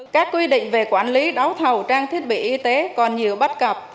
các quy định về quản lý đấu thầu trang thiết bị y tế còn nhiều bất cập